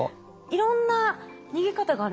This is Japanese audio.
いろんな逃げ方があるんですね。